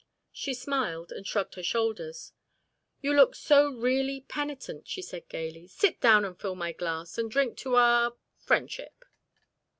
She smiled and shrugged her shoulders. "You look so really penitent," she said gaily. "Sit down and fill my glass, and drink to our friendship."